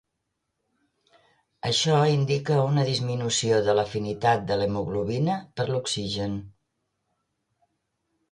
Això indica una disminució de l'afinitat de l'hemoglobina per l'oxigen.